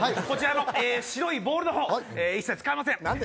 こちらの白いボールのほう一切使いません。